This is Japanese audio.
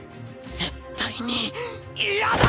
絶対に嫌だ！